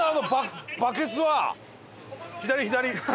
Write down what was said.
左左！